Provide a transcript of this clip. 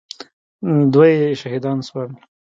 دوه يې شهيدان سول.